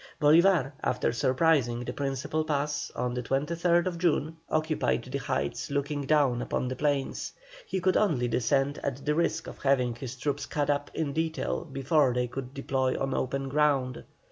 Bolívar, after surprising the principal pass, on the 23rd June, occupied the heights looking down upon the plain. He could only descend at the risk of having his troops cut up in detail before they could deploy on open ground.